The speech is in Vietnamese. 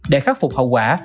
để khắc phục hậu quả